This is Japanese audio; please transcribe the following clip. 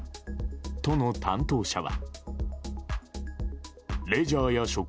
都の担当者は。